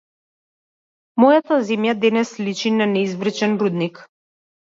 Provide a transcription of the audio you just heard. Мојата земја денес личи на неизбричен рудник.